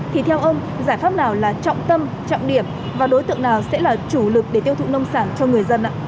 thì theo ông giải pháp nào là trọng tâm trọng điểm và đối tượng nào sẽ là chủ lực để tiêu thụ nông sản cho người dân ạ